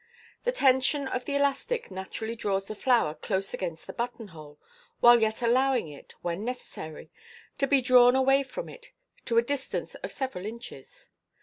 The tension of the elastic naturally draws the flower close against the button hole, while yet allowing it, when necessary, to be drawn away from it to 2 distance of several inches.